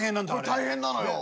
これ大変なのよ。